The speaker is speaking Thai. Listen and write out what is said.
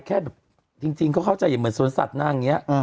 แค่แบบจริงเขาเข้าใจอย่างเหมือนสวนสัตว์นางอย่างนี้